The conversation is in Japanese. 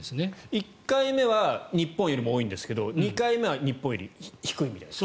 １回目は日本よりも多いんですが２回目は数字が日本より低いみたいです。